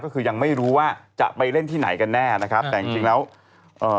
ก็คือยังไม่รู้ว่าจะไปเล่นที่ไหนกันแน่นะครับแต่จริงจริงแล้วเอ่อ